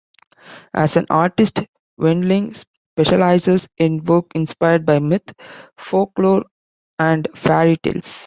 As an artist, Windling specializes in work inspired by myth, folklore, and fairy tales.